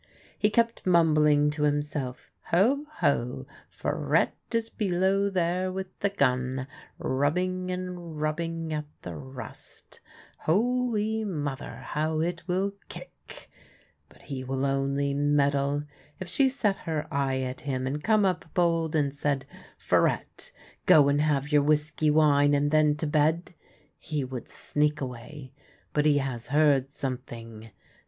He kept mumbling to himself: " Ho ! ho ! Farettc is below there with the gun, rub bing and rubbing at the rust ! Holy Mother, how it will kick ! But he will only meddle. If she set her eye at him and come up bold and said, ' Farette, go and have your whiskey wine, and then to bed !' he would sneak away. But he has heard something.